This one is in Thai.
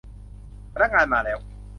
พนักงานมาแล้ว